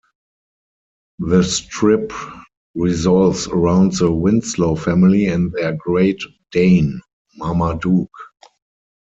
The strip revolves around the Winslow family and their Great Dane, Marmaduke.